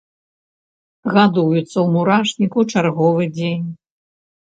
Гадуецца ў мурашніку чарговы дзень.